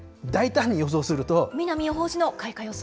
南予報士の開花予想。